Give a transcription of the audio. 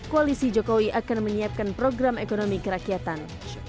koalisi jokowi akan menyiapkan program ekonomi kerakyatan